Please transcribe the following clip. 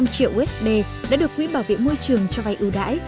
hai mươi sáu bốn mươi năm triệu usd đã được quỹ bảo vệ môi trường cho vay ưu đãi